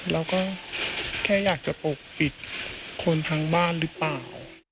เราก็แค่อยากจะปกปิดคนทั้งบ้านหรือเปล่า